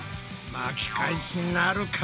巻き返しなるか！？